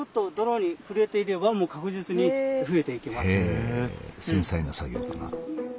へえ繊細な作業だな。